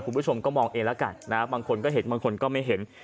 คุณผู้ชมก็มองเองแล้วกันนะบางคนก็เห็นบางคนก็ไม่เห็น